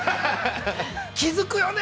◆気づくよね。